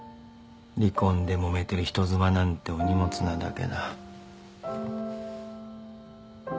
離婚でもめてる人妻なんてお荷物なだけだ。